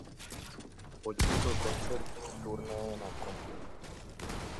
Podnikl koncertní turné na kontinent.